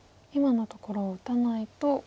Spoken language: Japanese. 今のところを打たないと。